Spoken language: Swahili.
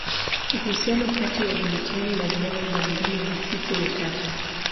Uhusiano kati ya gluteni na viwango mbalimbali vya hisi ni tata.